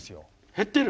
減ってる？